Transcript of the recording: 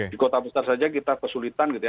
di kota besar saja kita kesulitan gitu ya